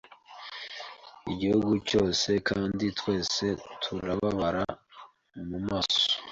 Igihugu cyose kandi twese turababara mumaso